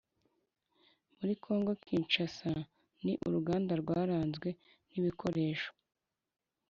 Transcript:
muri Kongo Kinshasa Ni uruganda rwaranzwe n ibikoresho